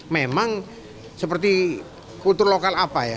memang seperti kultur lokal apa ya